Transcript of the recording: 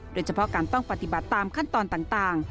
โดยเฉพาะการต้องปฏิบัติตามขั้นตอนต่าง